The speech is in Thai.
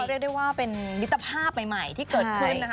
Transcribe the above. เรียกได้ว่าเป็นมิตรภาพใหม่ที่เกิดขึ้นนะคะ